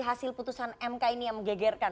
hasil putusan mk ini yang menggegerkan